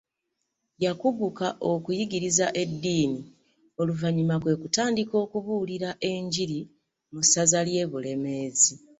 Yakuguka okuyigiriza eddiini, oluvannyuma kwe kutandika okubuulira enjiri mu ssaza ly’e Bulemeezi.